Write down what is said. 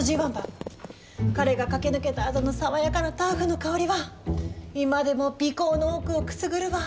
彼が駆け抜けたあとの爽やかなターフの香りは今でも鼻こうの奥をくすぐるわ。